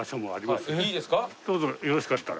どうぞよろしかったら。